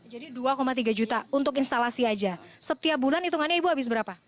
jadi dua tiga juta untuk instalasi aja setiap bulan hitungannya ibu habis berapa